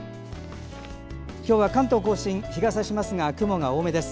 今日は関東・甲信日がさしますが雲が多めです。